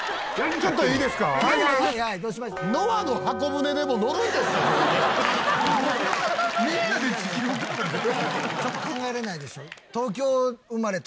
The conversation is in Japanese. ちょっと考えれないでしょ？